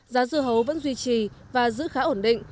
giá dưa hấu vẫn duy trì và giữ khá ổn định